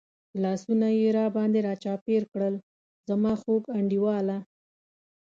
لاسونه یې را باندې را چاپېر کړل، زما خوږ انډیواله.